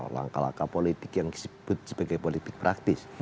langkah langkah politik yang disebut sebagai politik praktis